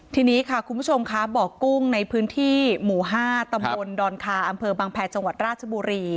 ทีนี้ค่ะคุณผู้ชมค่ะบ่อกุ้งในพื้นที่หมู่๕ตำบลดอนคาอำเภอบังแพรจังหวัดราชบุรี